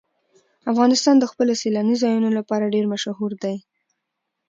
افغانستان د خپلو سیلاني ځایونو لپاره ډېر مشهور دی.